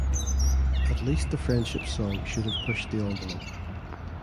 At least the friendship song should have pushed the envelope.